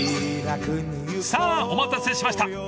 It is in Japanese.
［さあお待たせしました！］